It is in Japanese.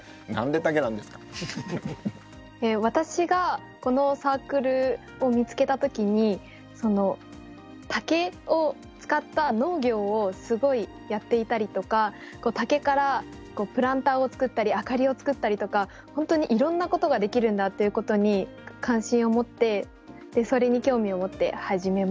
私がこのサークルを見つけた時にその竹を使った農業をすごいやっていたりとか竹からプランターを作ったり明かりを作ったりとか本当にいろんなことができるんだっていうことに関心を持ってそれに興味を持って始めました。